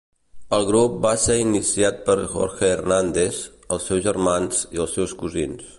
El grup va ser iniciat per Jorge Hernández, els seus germans i els seus cosins.